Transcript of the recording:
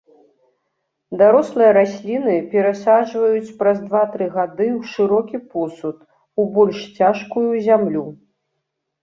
Дарослыя расліны перасаджваюць праз два-тры гады ў шырокі посуд, у больш цяжкую зямлю.